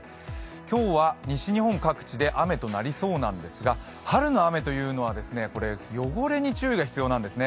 今日は西日本各地で雨となりそうなんですが、春の雨というのは、汚れに注意が必要なんですね。